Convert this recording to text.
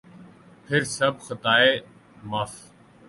پھر سب خطائیں معاف۔